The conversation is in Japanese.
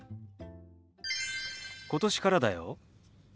今年からだよ。